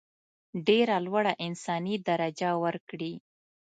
ډېره لوړه انساني درجه ورکړي.